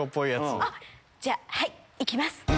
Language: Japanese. じゃはい行きます